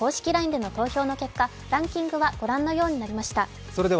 ＬＩＮＥでの投票の結果、ランキングはご覧のようになりました。